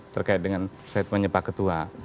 terkait dengan statementnya pak ketua